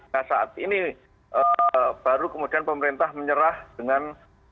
nah saat ini baru kemudian pemerintah menyerah dengan